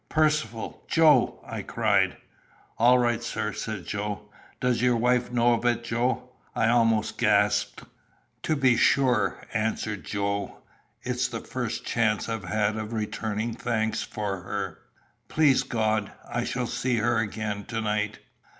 "Percivale! Joe!" I cried. "All right, sir!" said Joe. "Does your wife know of it, Joe?" I almost gasped. "To be sure," answered Joe. "It's the first chance I've had of returning thanks for her. Please God, I shall see her again to night."